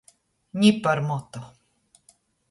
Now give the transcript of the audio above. Ni par motu.